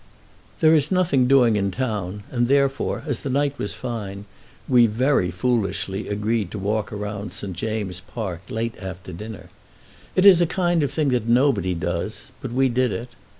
There is nothing doing in town, and therefore, as the night was fine, we, very foolishly, agreed to walk round St. James's Park late after dinner. It is a kind of thing that nobody does; but we did it.